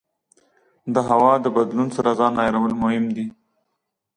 د هوا د بدلون سره ځان عیارول مهم دي.